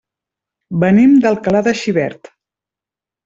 Venim d'Alcalà de Xivert.